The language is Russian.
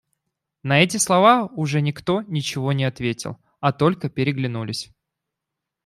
На эти слова уже никто ничего не ответил, а только переглянулись.